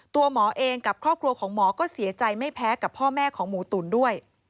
ตัวหมอเองกับครอบครัวของหมอก็เสียใจไม่แพ้กับพ่อแม่ของหมูตุ๋นด้วย